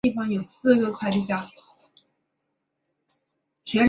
森图塞是巴西巴伊亚州的一个市镇。